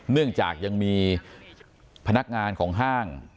เนื่องจากยังมีพนักงานของห้าง